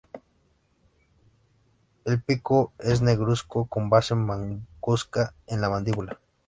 El pico es negruzco con base blancuzca en la mandíbula.